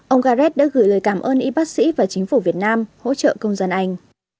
ông gareth đã gửi lời cảm ơn y bác sĩ và chính phủ việt nam hỗ trợ công dân anh